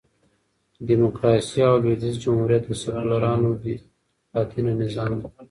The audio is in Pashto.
ډيموکراسي او لوېدیځ جمهوریت د سیکولرانو لا دینه نظام دئ.